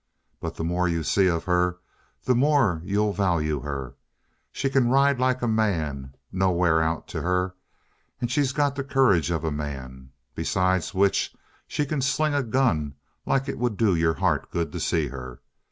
But the more you see of her, the more you'll value her. She can ride like a man no wear out to her and she's got the courage of a man. Besides which she can sling a gun like it would do your heart good to see her!